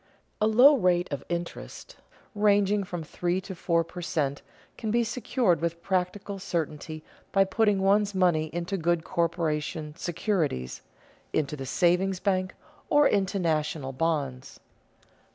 A low rate of interest, ranging from three to four per cent., can be secured with practical certainty by putting one's money into good corporation securities, into the savings bank, or into national bonds.